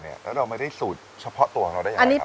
แล้วเราไม่ได้สูตรเฉพาะตัวของเราได้ยังไงครับ